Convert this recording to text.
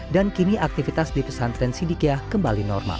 dan kini aktivitas di pesantren sidikiah kembali normal